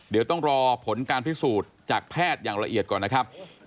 เดี๋ยวต้องรอผลการพิสูจน์จากแพทย์อย่างละเอียดก่อนนะครับ